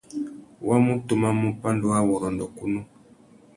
Wa mú tumamú pandúrâwurrôndô kunú.